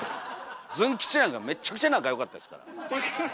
ズン吉なんかめっちゃくちゃ仲良かったですからね！